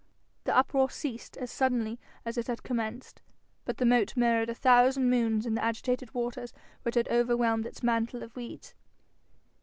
The uproar ceased as suddenly as it had commenced, but the moat mirrored a thousand moons in the agitated waters which had overwhelmed its mantle of weeds.